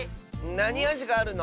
なにあじがあるの？